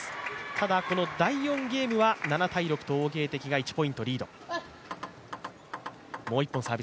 ただ、第４ゲームは７−６と王ゲイ迪が１ポイントリード。